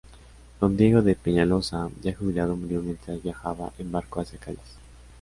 Don Diego de Peñalosa, ya jubilado, murió mientras viajaba en barco hacia Cádiz.